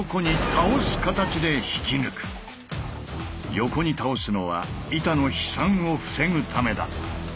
横に倒すのは板の飛散を防ぐためだ。